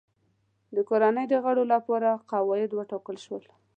د کورنۍ د غړو لپاره قواعد وټاکل شول.